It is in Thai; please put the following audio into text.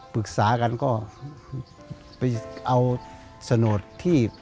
ปรึกษากันก็ไปเอาโฉนดที่